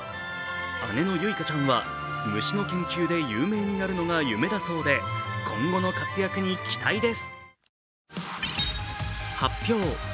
姉の結花ちゃんは、虫の研究で有名になるのが夢だそうで今後の活躍に期待です。